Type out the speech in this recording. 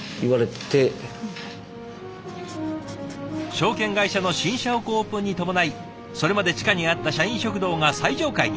証券会社の新社屋オープンに伴いそれまで地下にあった社員食堂が最上階に。